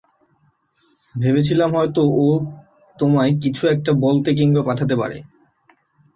ভেবেছিলাম হয়তো ও তোমায় কিছু একটা বলতে কিংবা পাঠাতে পারে।